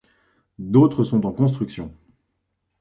D'autres sont en construction.